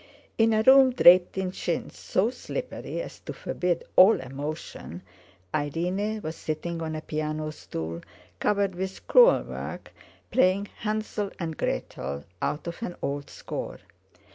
In a room draped in chintz so slippery as to forbid all emotion, Irene was sitting on a piano stool covered with crewel work, playing "Hansel and Gretel" out of an old score.